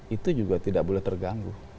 itu juga tidak boleh terganggu